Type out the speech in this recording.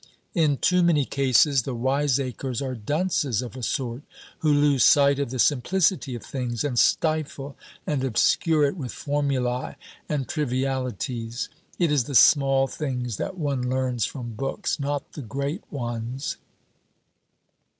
In too many cases, the wiseacres are dunces of a sort, who lose sight of the simplicity of things, and stifle and obscure it with formulae and trivialities. It is the small things that one learns from books, not the great ones.